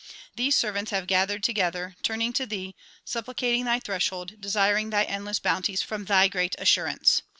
These servants have gathered together, turning to thee, supplicating thy threshold, desiring thy endless bounties from thy great assurance.